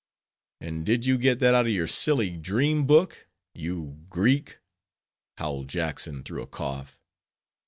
"And did you get that out of your silly Dream Book, you Greek?" howled Jackson through a cough.